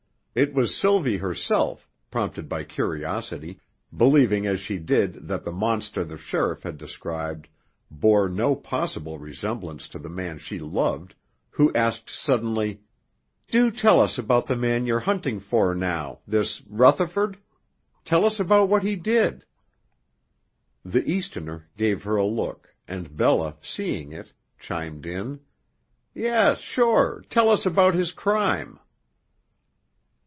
It was Sylvie herself, prompted by curiosity, believing as she did that the monster the sheriff had described bore no possible resemblance to the man she loved, who asked suddenly: "Do tell us about the man you're hunting for now this Rutherford? Tell us about what he did." The Easterner gave her a look, and Bella, seeing it, chimed in: "Yes, sure. Tell us about his crime."